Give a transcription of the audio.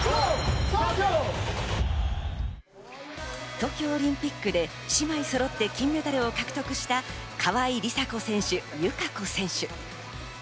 東京オリンピックで姉妹そろって金メダルを獲得した川井梨紗子選手、友香子選手。